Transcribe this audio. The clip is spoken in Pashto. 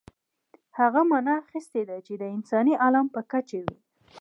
هغه معنا اخیستې ده چې د انساني عالم په کچه وي.